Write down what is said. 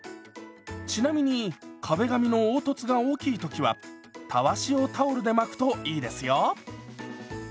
ちなみに壁紙の凹凸が大きい時はたわしをタオルで巻くといいですよ。